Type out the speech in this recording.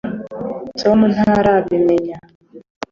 tom ntarabimenya